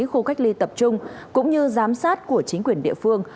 khu cách ly tập trung cũng như giám sát của chính quyền địa phương